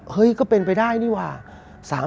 ก็เป็นไปได้นี่ว่ะ